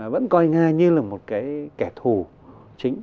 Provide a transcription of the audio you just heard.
vẫn coi nga như là một cái kẻ thù chính